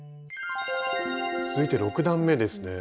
続いて６段めですね。